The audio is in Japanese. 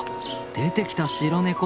出てきた白ネコ